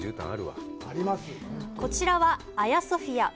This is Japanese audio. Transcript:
こちらはアヤソフィア。